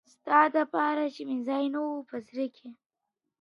ستا دپاره چی می ځای نه وي په زړه کي `